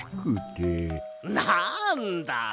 なんだ！